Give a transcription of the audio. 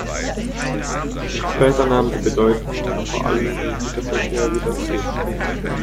Später nahm die Bedeutung vor allem im Güterverkehr wieder zu.